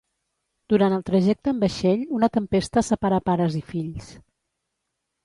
Durant el trajecte amb vaixell una tempesta separa pares i fills.